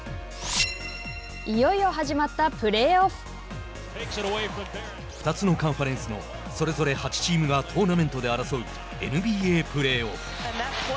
いよいよ始まったプレーオフ！２つのカンファレンスのそれぞれ８チームがトーナメントで争うＮＢＡプレーオフ。